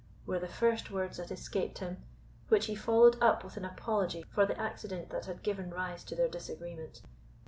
were the first words that escaped him, which he followed up with an apology for the accident that had given rise to their disagreement.